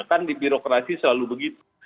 kan di birokrasi selalu begitu